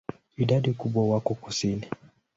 Idadi kubwa wako kusini.